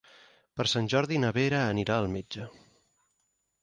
Per Sant Jordi na Vera anirà al metge.